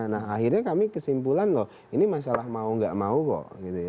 nah akhirnya kami kesimpulan loh ini masalah mau nggak mau kok